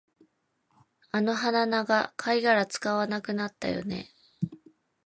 あの鼻長、貝殻使わなくなったよね